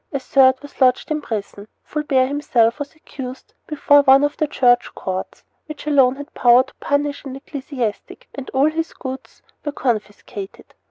A third was lodged in prison. Fulbert himself was accused before one of the Church courts, which alone had power to punish an ecclesiastic, and all his goods were confiscated.